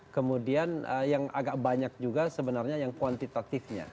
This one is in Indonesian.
kemudian yang agak banyak juga sebenarnya yang kuantitatifnya